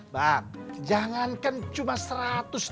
bang jangankan cuma seratus demonstrasi